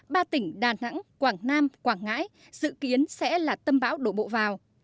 ba tỉnh đà nẵng quảng nam quảng ngãi dự kiến sẽ là tâm bão đổ bộ vào